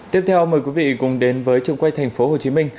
tiếp theo mời quý vị cùng đến với trường quay thành phố hồ chí minh